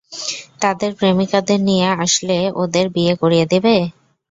তাদের প্রেমিকাদের নিয়ে আসলে, ওদের বিয়ে করিয়ে দেবে?